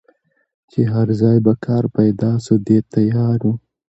چي هر ځای به کار پیدا سو دی تیار وو